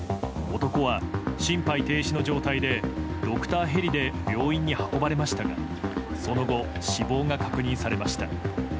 男は心肺停止の状態でドクターヘリで病院に運ばれましたがその後、死亡が確認されました。